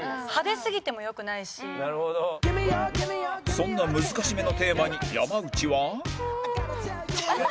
そんな難しめのテーマに山内は